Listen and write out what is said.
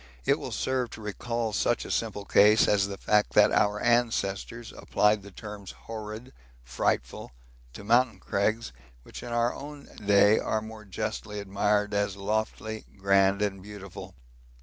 It will serve to recall such a simple case as the fact that our ancestors applied the terms horrid, frightful, to mountain crags which in our own day are more justly admired as lofty, grand, and beautiful.